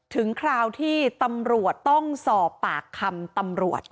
คราวที่ตำรวจต้องสอบปากคำตำรวจ